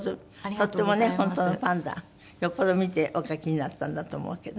とってもね本当のパンダよっぽど見てお描きになったんだと思うけど。